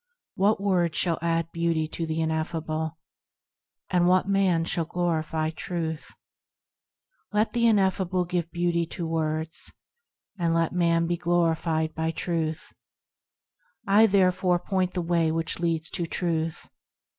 What words shall add beauty to the ineffable? And what man shall glorify Truth? Let the ineffable give beauty to words, And let man be glorified by Truth, I, therefore, point the Way which leads to Truth.